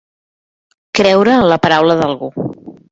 Creure en la paraula d'algú.